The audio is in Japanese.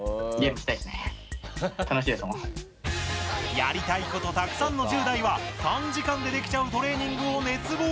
やりたいことたくさんの１０代は短時間でできちゃうトレーニングを熱望！